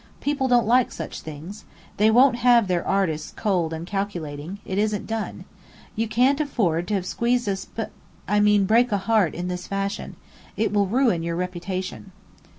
People don't like such things. They won't have their artists cold and calculating. It isn't done. You can't afford to squeeze a sp I mean, break a heart in this fashion. It will ruin your reputation."